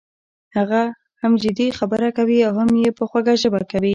هم جدي خبره کوي او هم یې په خوږه ژبه کوي.